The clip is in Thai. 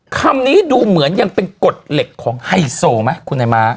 คำนี้ดูเหมือนยังเป็นกฎเหล็กของไฮโซไหมคุณนายม้า